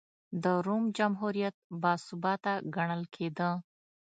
د روم جمهوریت باثباته ګڼل کېده.